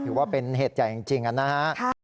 ถือว่าเป็นเหตุใหญ่จริงนะฮะ